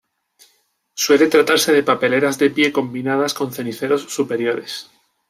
Suele tratarse de papeleras de pie combinadas con ceniceros superiores.